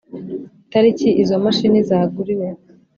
Itariki izo mashini zaguriweho